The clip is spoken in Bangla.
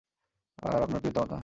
আর আপনার পিতামাতা?